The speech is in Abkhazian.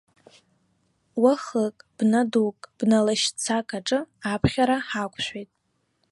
Уахык, бна дук, бна лашьцак аҿы аԥхьара ҳақәшәеит.